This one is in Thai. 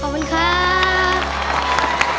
ขอบคุณครับ